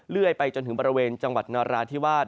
ไปจนถึงบริเวณจังหวัดนราธิวาส